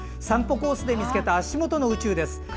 散歩コースで見つけた足元の宇宙です。